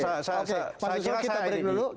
pancasila kita break dulu